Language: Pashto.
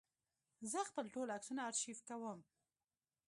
زه خپل ټول عکسونه آرشیف کوم.